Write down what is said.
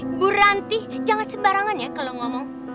ibu rantih jangan sembarangan ya kalo ngomong